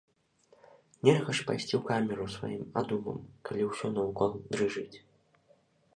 Нельга ж пайсці ў камеру сваім адумам, калі ўсё наўкол дрыжыць.